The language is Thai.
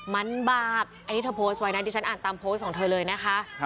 มันบาปอันนี้เธอโพสต์ไว้นะดิฉันอ่านตามโพสต์ของเธอเลยนะคะ